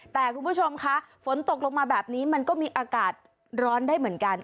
แต่คุณผู้ชมคะฝนตกลงมาแบบนี้มันก็มีอากาศร้อนได้เหมือนกัน